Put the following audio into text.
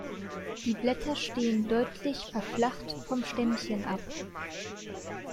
Die Blätter stehen deutlich verflacht vom Stämmchen ab.